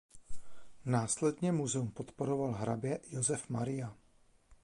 Následně muzeum podporoval hrabě Josef Maria.